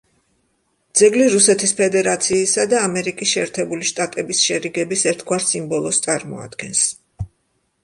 ძეგლი რუსეთის ფედერაციისა და ამერიკის შეერთებული შტატების შერიგების ერთგვარ სიმბოლოს წარმოადგენს.